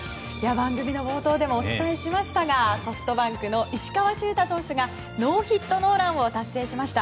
番組の冒頭でもお伝えしましたがソフトバンクの石川柊太投手がノーヒットノーランを達成しました。